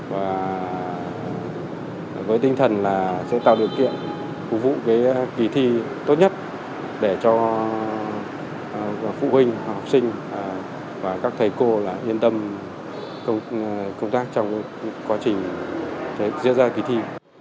và với tinh thần là sẽ tạo điều kiện phục vụ kỳ thi tốt nhất để cho phụ huynh học sinh và các thầy cô yên tâm công tác trong quá trình diễn ra kỳ thi